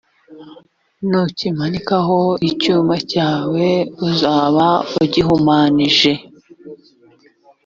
nukimanikaho icyuma cyawe uzaba ugihumanije